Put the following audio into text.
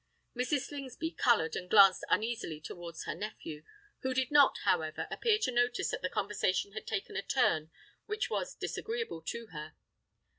Mrs. Slingsby coloured and glanced uneasily towards her nephew, who did not, however, appear to notice that the conversation had taken a turn which was disagreeable to her.